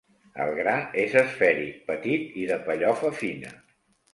El gra és esfèric, petit i de pellofa fina.